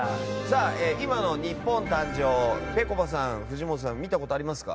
今の「日本誕生」ぺこぱさん、藤本さん見たことありますか？